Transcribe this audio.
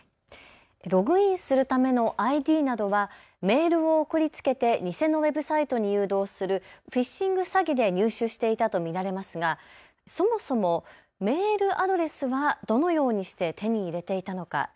ログインするためのＩＤなどはメールを送りつけて偽のウェブサイトに誘導するフィッシング詐欺で入手していたと見られますが、そもそもメールアドレスはどのようにして手に入れていたのか。